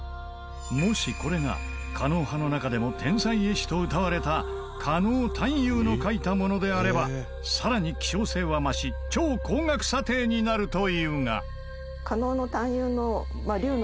もしこれが狩野派の中でも天才絵師とうたわれた狩野探幽の描いたものであればさらに希少性は増し超高額査定になるというが。